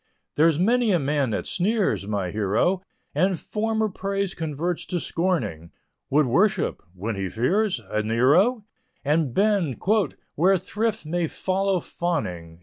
There's many a man that sneers, my hero, And former praise converts to scorning, Would worship when he fears a Nero, And bend "where thrift may follow fawning."